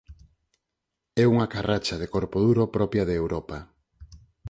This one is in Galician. É unha carracha de corpo duro propia de Europa.